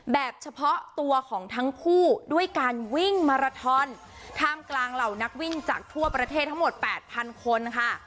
แบบเฉพาะตัวของทั้งคู่ด้วยการวิ่งมาราทอนท่ามกลางเหล่านักวิ่งจากทั่วประเทศทั้งหมดแปดพันคนค่ะ